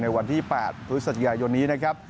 วันที่๘พฤศจิกายนนี้นะครับ